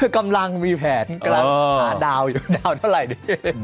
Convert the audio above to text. กำลังมีแผนกำลังหาดาวอยู่ดาวเท่าไหร่ดี